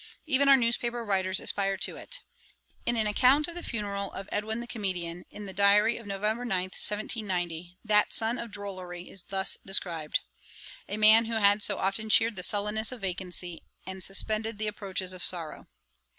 Even our newspaper writers aspire to it. In an account of the funeral of Edwin, the comedian, in The Diary of Nov. 9, 1790, that son of drollery is thus described: 'A man who had so often cheered the sullenness of vacancy, and suspended the approaches of sorrow.'